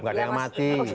gak ada yang mati